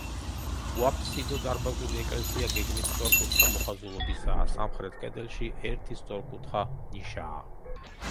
უაბსიდო დარბაზული ეკლესია გეგმით სწორკუთხა მოხაზულობისაა, სამხრეთ კედელში ერთი სწორკუთხა ნიშაა.